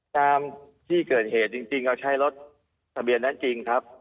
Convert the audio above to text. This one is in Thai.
ตามที่เกิดเหตุจริงเราใช้รถทะเบียนนั้นจริงครับ